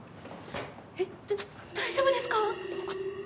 えっ大丈夫ですか？